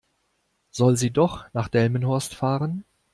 Soll sie doch nach Delmenhorst fahren?